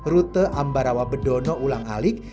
rute ambarawa bedono ulang alik